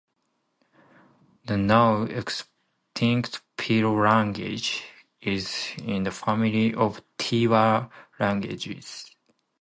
The now extinct Piro language was in the family of Tiwa languages.